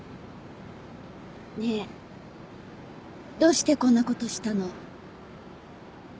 ねぇどうしてこんなことしたの？